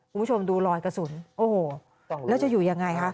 คุณผู้ชมดูรอยกระสุนโอ้โหแล้วจะอยู่ยังไงคะ